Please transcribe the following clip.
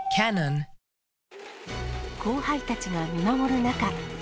後輩たちが見守る中。